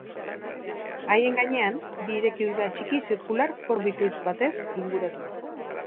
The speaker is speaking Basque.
Haien gainean, bi irekidura txiki zirkular koro bikoitz batez inguratuta.